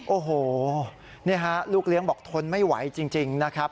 โอ้โหนี่ฮะลูกเลี้ยงบอกทนไม่ไหวจริงนะครับ